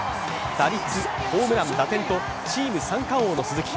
打率、ホームラン、打点とチーム三冠王の鈴木。